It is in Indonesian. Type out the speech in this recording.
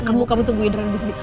kamu tungguin orang di sini